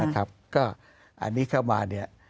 อันนี้เข้ามา